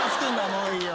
もういいよ。